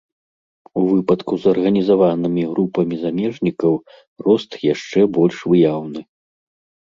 У выпадку з арганізаванымі групамі замежнікаў рост яшчэ больш выяўны.